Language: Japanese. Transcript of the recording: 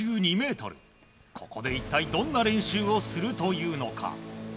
ここで一体どんな練習をするというのか。